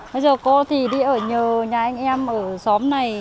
bây giờ cô thì đi ở nhờ nhà anh em ở xóm này